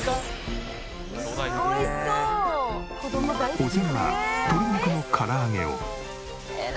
お次は鶏肉の唐揚げを。